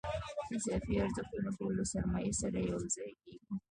اضافي ارزښت ټول له سرمایې سره یوځای کېږي